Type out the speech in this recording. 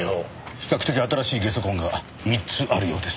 比較的新しい下足痕が３つあるようです。